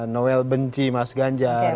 noel benci mas ganjar